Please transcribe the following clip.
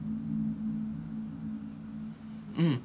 うん。